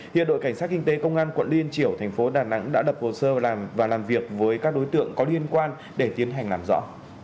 hiện đội cảnh sát kinh tế công an quận liên triểu thành phố đà nẵng đã đập hồ sơ và làm việc với các đối tượng có liên quan để tiến hành làm rõ